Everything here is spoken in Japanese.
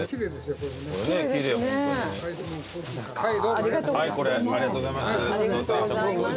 ありがとうございます。